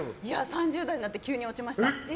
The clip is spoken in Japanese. ３０代になって急に落ちました。